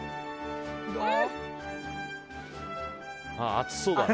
熱そうだね。